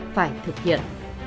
phải thực hiện